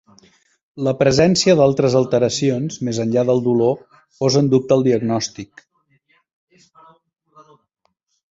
La presència d'altres alteracions, més enllà del dolor, posa en dubte el diagnòstic.